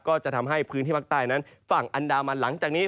ก็จะทำให้พื้นที่ภาคใต้นั้นฝั่งอันดามันหลังจากนี้